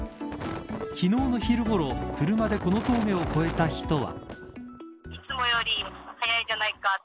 昨日の昼ごろ車でこの峠を越えた人は。